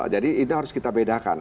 jadi itu harus kita bedakan